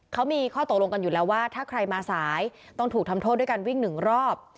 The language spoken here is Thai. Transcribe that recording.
เขามีข้อตกลงกันอยู่แล้วว่าถ้าใครมาสายต้องถูกทำโทษด้วยการวิ่งหนึ่งรอบ